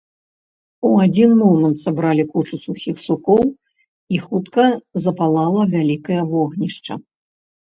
У адзін момант сабралі кучу сухіх сукоў, і хутка запалала вялікае вогнішча.